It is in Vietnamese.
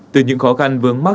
từ những khó khăn vướng mắc